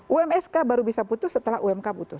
umsk baru bisa diputuskan setelah umk